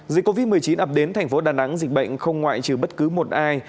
dịch covid một mươi chín ập đến thành phố đà nẵng dịch bệnh không ngoại trừ bất cứ một ai